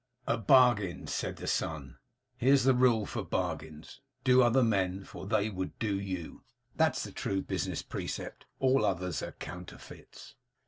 'A bargain,' said the son. 'Here's the rule for bargains "Do other men, for they would do you." That's the true business precept. All others are counterfeits.